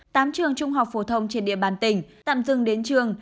tám trường trung học phổ thông trên địa bàn tỉnh tạm dừng đến trường